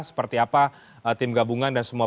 seperti apa tim gabungan dan semua